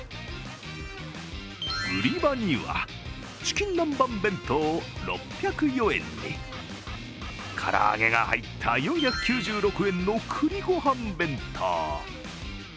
売り場には、チキン南蛮弁当６０４円にから揚げが入った４９６円の栗ごはん弁当。